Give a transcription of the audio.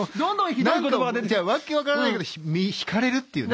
訳分からないけどひかれるっていうね。